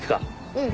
うん。